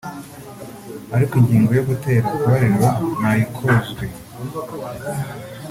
ariko ingingo yo gutera akabariro ntayikozwe